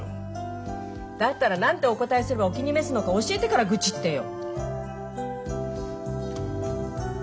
だったら何てお答えすればお気に召すのか教えてから愚痴ってよ！